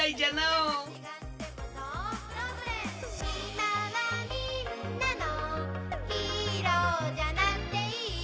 「今はみんなのヒーローじゃなくていい」